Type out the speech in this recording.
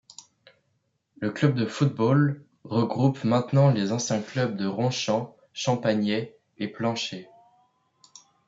Le club de football regroupe maintenant les anciens clubs de Ronchamp, Champagney et Plancher.